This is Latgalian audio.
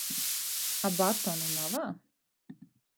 -A batonu navā?